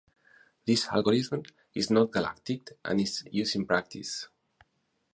This algorithm is not galactic and is used in practice.